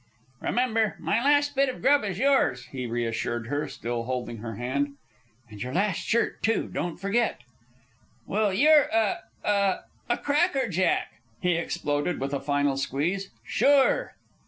"Remember, my last bit of grub is yours," he reassured her, still holding her hand. "And your last shirt, too; don't forget." "Well, you're a a a crackerjack!" he exploded with a final squeeze. "Sure!"